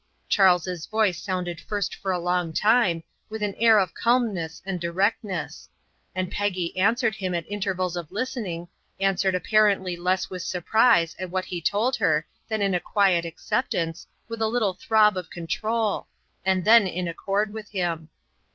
Charles's voice sounded first for a long time, with an air of calmness and directness; and Peggy answered him at intervals of listening, answered apparently less with surprise at what he told her than in a quiet acceptance, with a little throb of control, and then in accord with him.